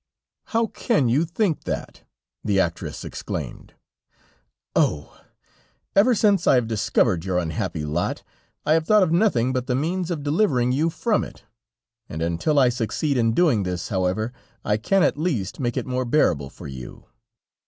"How can you think that?" the actress exclaimed. "Oh! Ever since I have discovered your unhappy lot, I have thought of nothing but the means of delivering you from it, and until I succeed in doing this, however, I can at least make it more bearable for you."